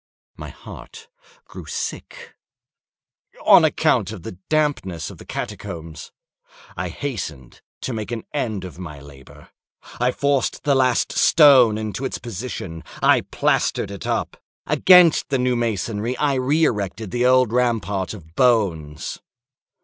My heart grew sick—on account of the dampness of the catacombs. I hastened to make an end of my labor. I forced the last stone into its position; I plastered it up. Against the new masonry I re erected the old rampart of bones.